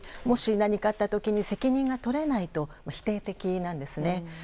もし何かあった時に責任が取れないと否定的なんですね。